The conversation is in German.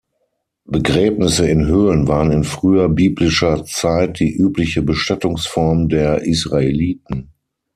Begräbnisse in Höhlen waren in früher biblischer Zeit die übliche Bestattungsform der Israeliten.